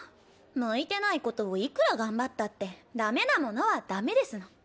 向いてないことをいくら頑張ったってダメなものはダメですの。